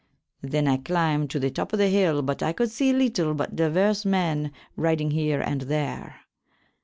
Then I clymbed to the top of the hill but I could see lytell but dyverse men riding here and there.